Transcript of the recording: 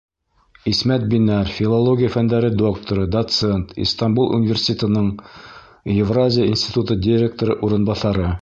Исмәт БИНӘР, филология фәндәре докторы, доцент, Истанбул университетының Евразия институты директоры урынбаҫары: